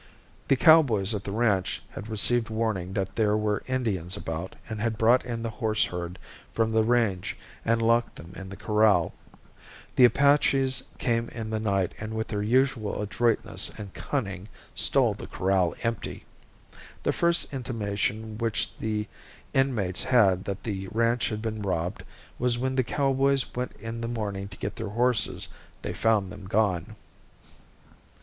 The cowboys at the ranch had received warning that there were Indians about and had brought in the horse herd from the range and locked them in the corral. The Apaches came in the night and with their usual adroitness and cunning stole the corral empty. The first intimation which the inmates had that the ranch had been robbed was when the cowboys went in the morning to get their horses they found them gone.